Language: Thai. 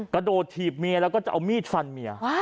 กระโดดถีบเมียแล้วก็จะเอามีดฟันเมีย